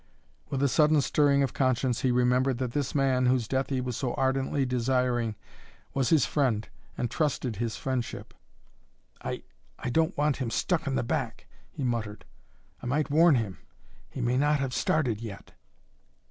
With a sudden stirring of conscience he remembered that this man whose death he was so ardently desiring was his friend and trusted his friendship. "I I don't want him stuck in the back," he muttered. "I might warn him. He may not have started yet."